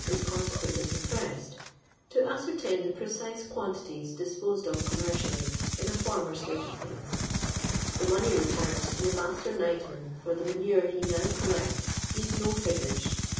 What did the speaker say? s consequently Mii»pr(ssod, to ascer tain tho ]M oi:iso quantities disposed of coni luorciiilly. in a fonner stat^ of thinpr>?. Tho money rotnrns to tho ma^ter ni'j:htman for tho manure he now collects noed no ii^nnvs.